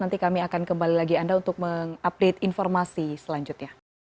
nanti kami akan kembali lagi anda untuk mengupdate informasi selanjutnya